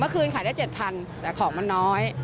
เมื่อคืนขายได้๗๐๐๐บาทแต่ของมันน้อย